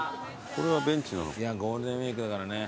ゴールデンウイークだからね。